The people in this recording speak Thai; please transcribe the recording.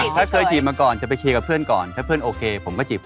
ถ้าเคยจีบมาก่อนจะไปเคลียร์กับเพื่อนก่อนถ้าเพื่อนโอเคผมก็จีบ